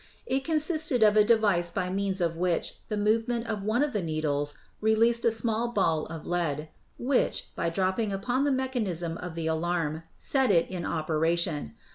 It consisted of a device by means of which the movement of one of the needles released a small ball of lead, which, by dropping upon the mechanism of the alarm, set it in operation.